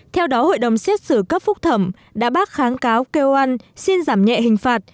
theo đó hội đồng xét xử cấp phúc thẩm đã bác kháng cáo kêu ăn xin giảm nhẹ hình phạt